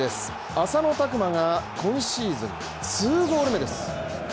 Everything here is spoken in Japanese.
浅野拓磨が今シーズン２ゴール目です。